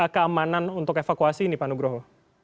keamanan untuk evakuasi ini pak nugroho